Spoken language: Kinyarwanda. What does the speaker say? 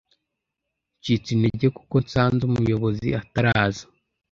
ncitse intege kuko nsanze umuyobozi ataraza